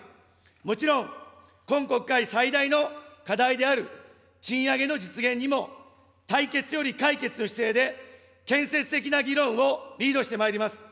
もちろん、今国会最大の課題である賃上げの実現にも、対決より解決の姿勢で建設的な議論をリードしてまいります。